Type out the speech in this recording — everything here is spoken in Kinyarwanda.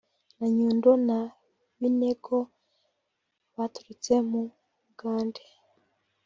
na Nyundo na Binego baturutse mu Bugande